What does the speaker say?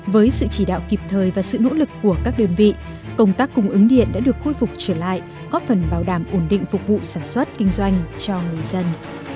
với sự chỉ đạo kịp thời và sự nỗ lực của các đơn vị công tác cung ứng điện đã được khôi phục trở lại có phần bảo đảm ổn định phục vụ sản xuất kinh doanh cho người dân